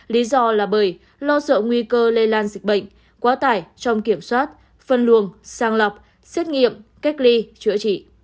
lý do là bởi lo sợ nguy cơ lây lan dịch bệnh quá tải trong kiểm soát phân luồng sang lọc xét nghiệm cách ly chữa trị